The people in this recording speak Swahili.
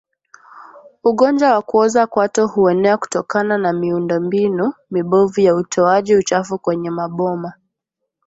Ugonjwa wa kuoza kwato huenea kutokana na miundombinu mibovu ya utoaji uchafu kwenye maboma